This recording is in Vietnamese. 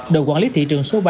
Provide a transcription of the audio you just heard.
đội quản lý thị trường số ba